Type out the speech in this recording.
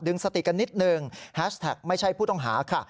สติกันนิดนึงแฮชแท็กไม่ใช่ผู้ต้องหาค่ะ